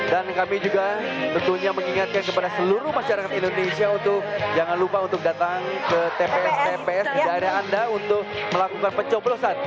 dan kami juga tentunya mengingatkan kepada seluruh masyarakat indonesia untuk jangan lupa untuk datang ke tps tps di daerah anda untuk melakukan pencoblosan